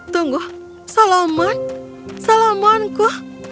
tunggu solomon solomonku